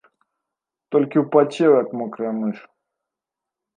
Толькі ўпацеў, як мокрая мыш.